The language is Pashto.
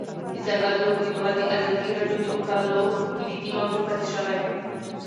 د ځنګلونو پرېکول د ازادي راډیو د مقالو کلیدي موضوع پاتې شوی.